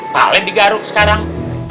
paling digaruk sekarang